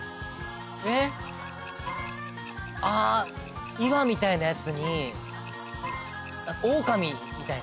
えっ？あ岩みたいなやつにオオカミみたいな。